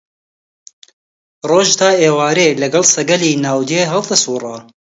ڕۆژ تا ئێوارێ لەگەڵ سەگەلی ناو دێ هەڵدەسووڕا